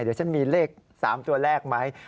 เดี๋ยวฉันมีเลข๓ตัวแรกไหม